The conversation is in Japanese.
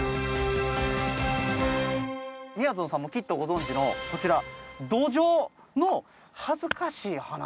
みやぞんさんもきっとご存じのこちらドジョウの恥ずかしい話。